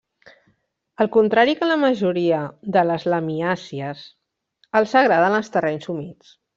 Al contrari que la majoria de les lamiàcies, els agraden els terrenys humits.